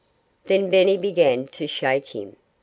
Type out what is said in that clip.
Then Benny began to shake him.